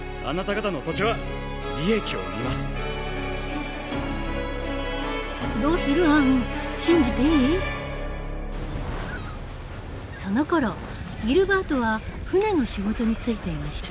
そのころギルバートは船の仕事に就いていました。